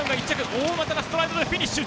大股のストライドでフィニッシュ。